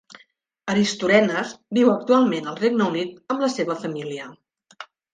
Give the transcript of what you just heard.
Aristorenas viu actualment al Regne Unit amb la seva família.